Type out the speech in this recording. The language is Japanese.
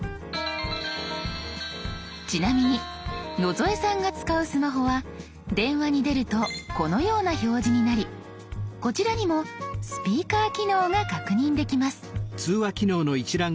ちなみに野添さんが使うスマホは電話に出るとこのような表示になりこちらにもスピーカー機能が確認できます。